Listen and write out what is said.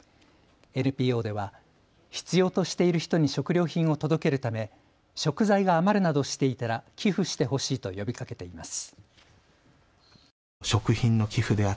ＮＰＯでは必要としている人に食料品を届けるため食材が余るなどしていたら寄付してほしいと呼びかけています。